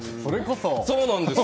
そうなんです。